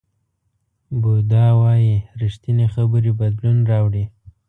بودا وایي ریښتینې خبرې بدلون راوړي.